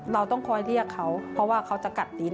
เราต้องคอยเรียกเขาเพราะว่าเขาจะกัดดิน